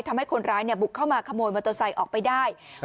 ทำให้คนร้ายบุกเข้ามาขโมยมอเตอร์ไซค์ออกไปได้